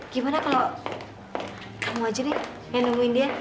gimana kalau kamu aja nih yang nemuin dia